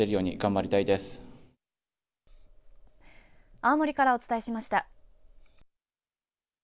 青森からお伝えしました。